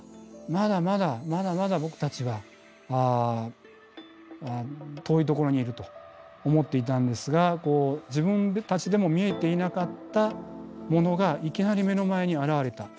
まだまだまだまだ僕たちは遠いところにいると思っていたんですが自分たちでも見えていなかったものがいきなり目の前に現れた。